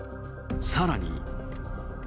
さらに。